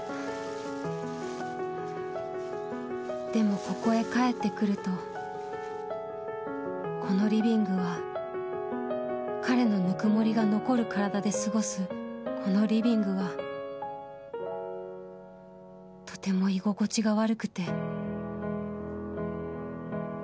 でもここへ帰ってくるとこのリビングは彼のぬくもりが残る体で過ごすこのリビングはとても居心地が悪くて。